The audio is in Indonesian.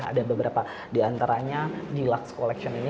ada beberapa di antaranya di lucks collection ini